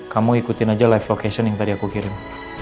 kamu ikutin aja live vocation yang tadi aku kirim